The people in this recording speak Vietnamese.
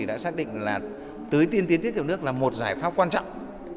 đã xác định là tưới tiên tiến tiết kiệm nước là một giải pháp quan trọng